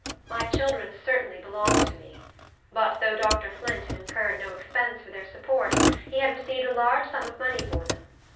My children certainly belonged to me; but though Dr. Flint had incurred no expense for their support, he had received a large sum of money for them.